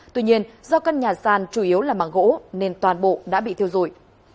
tuy nhiên do căn nhà sàn chủ yếu là mảng gỗ nên toàn bộ đã bị thiêu dụi